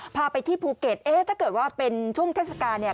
พาไปที่ภูเก็ตถ้าเกิดว่าเป็นช่วงเทศกาล